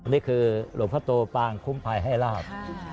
นี่คือหลวงพ่อโตปางคุ้มภัยให้ลาบ